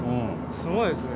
すごいですね。